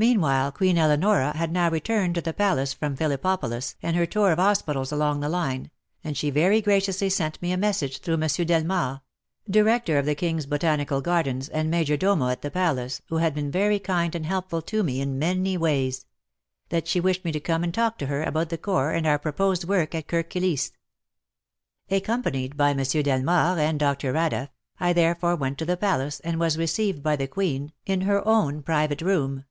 Mean while Queen Eleonora had now returned to the Palace from Phillippopolis and her tour of hospitals along the line, and she very graciously sent me a message through Monsieur Delmard — Director of the King's Botanical Gardens and Major Domo at the Palace, who had been very kind and helpful to me in many ways — that she wished me to come and talk to her about the Corps and our proposed work at Kirk Kilisse. Accompanied by Monsieur Delmard and Dr. Radeff, I therefore went to the Palace and was received by the Queen in her own private 57 58 WAR AND WOMEN room.